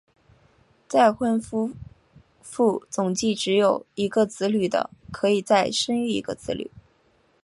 再婚夫妇总计只有一个子女的可以再生育一个子女。